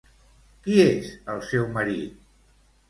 Qui és el seu marit?